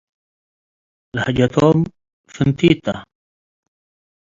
ላህጀቶም ፍንቲት ተ ።